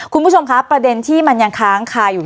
คุณผู้ชมครับประเด็นที่มันยังค้างคาอยู่